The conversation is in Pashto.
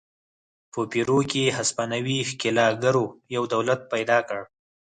په پیرو کې هسپانوي ښکېلاکګرو یو دولت پیدا کړ.